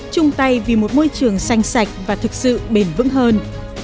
chung tay vì một môi trường xanh sạch và thực sự bền vững hơn